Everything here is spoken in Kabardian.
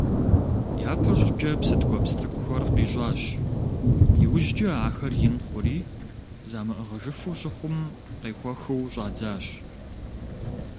Япэ щӀыкӀэ псы ткӀуэпс цӀыкӀухэр къищӀащ, иужькӀэ ахэр ин хъури, замыӀыгъыжыфу щыхъум, къехуэхыу щӀадзащ.